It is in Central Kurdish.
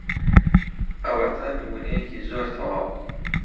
ئەوەتە نموونەیەکی زۆر تەواو.